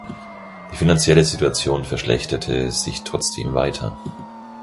Die finanzielle Situation verschlechterte sich trotzdem weiter.